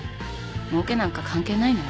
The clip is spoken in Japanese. もうけなんか関係ないのよ。